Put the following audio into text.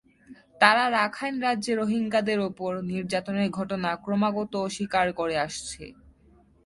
তারা রাখাইন রাজ্যে রোহিঙ্গাদের ওপর নির্যাতনের ঘটনা ক্রমাগত অস্বীকার করে আসছে।